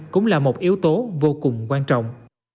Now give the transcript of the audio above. cũng là một yếu tố vô cùng quan trọng